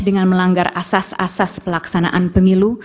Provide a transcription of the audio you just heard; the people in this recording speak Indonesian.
dengan melanggar asas asas pelaksanaan pemilu